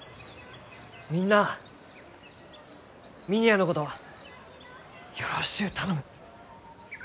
みんなあ峰屋のことよろしゅう頼む。